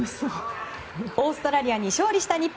オーストラリアに勝利した日本。